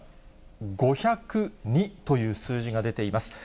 ５０２という数字が出ています。